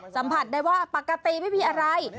สัมผัสได้ว่าปกติไม่มีอะไร